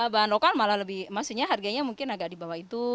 bahan lokal malah lebih maksudnya harganya mungkin agak di bawah itu